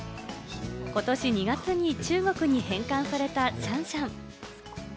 ことし２月に中国に返還されたシャンシャン。